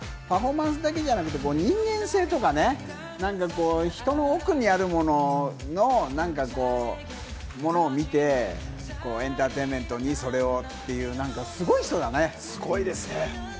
でもＪ．Ｙ．Ｐａｒｋさんってやっぱパフォーマンスだけじゃなくて人間性とかね、人の奥にあるものを見てエンターテインメントにそれをというすごい人だね。